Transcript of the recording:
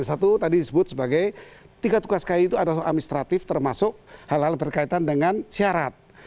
satu tadi disebut sebagai tiga tugas ki itu atas administratif termasuk hal hal berkaitan dengan syarat